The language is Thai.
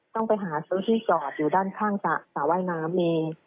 ต้องไปหาซื้อที่จอดอยู่ด้านข้างสระว่ายน้ำเอง